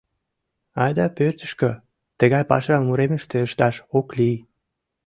Айда пӧртышкӧ, тыгай пашам уремыште ышташ ок лий.